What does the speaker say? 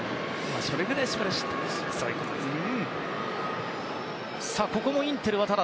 それぐらい素晴らしいってことですね。